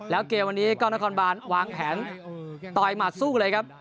แล้วเกมวันนี้กล้องนครบานวางแผนต่อยหมัดสู้เลยครับ